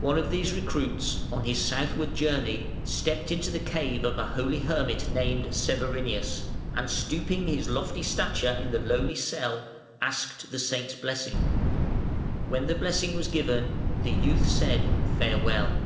One of these recruits, on his southward journey, stepped into the cave of a holy hermit named Severinus, and stooping his lofty stature in the lowly cell, asked the saint's blessing. When the blessing was given, the youth said: "Farewell".